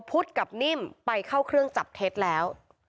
พุทธกับนิ่มไปเข้าเครื่องจับเท็จแล้ว